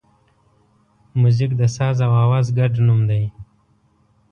موزیک د ساز او آواز ګډ نوم دی.